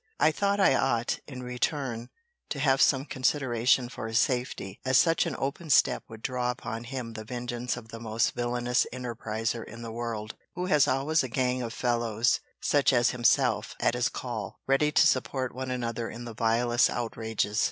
I thought I ought, in return, to have some consideration for his safety, as such an open step would draw upon him the vengeance of the most villanous enterpriser in the world, who has always a gang of fellows, such as himself, at his call, ready to support one another in the vilest outrages.